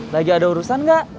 lagi ada urusan gak